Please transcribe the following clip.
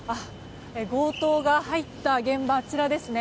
強盗が入った現場あちらですね。